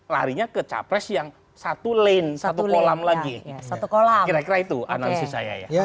larinya ke capres yang satu lane satu kolam lagi satu kolam kira kira itu analisis saya ya